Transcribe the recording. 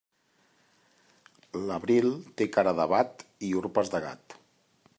L'abril té cara d'abat i urpes de gat.